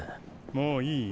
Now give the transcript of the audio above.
もういいよ。